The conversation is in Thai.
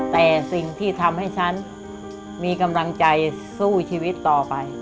แต่สิ่งที่ทำให้ฉันมีกำลังใจสู้ชีวิตต่อไป